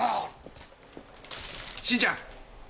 晋ちゃん！